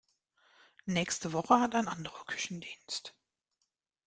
Nächste Woche hat ein anderer Küchendienst.